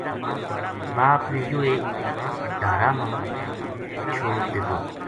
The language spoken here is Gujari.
باپ نے یوہ ایک ڈھارہ ما ما چھوڈ دتو